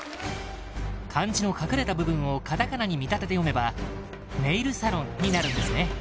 漢字の隠れた部分をカタカナに見立てて読めば「ネイルサロン」になるんですね